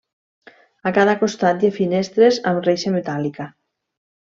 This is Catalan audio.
A cada costat hi ha finestres amb reixa metàl·lica.